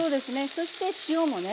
そして塩もね